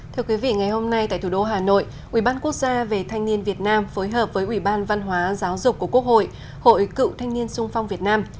thưa quý vị ngày hôm nay tại thủ đô hà nội ubnd về thanh niên việt nam phối hợp với ubnd giáo dục của quốc hội hội cựu thanh niên sung phong việt nam